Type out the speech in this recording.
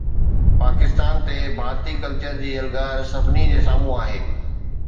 پاڪستان تي ڀارتي ڪلچر جي یلغار سڀني جي سامهون آهي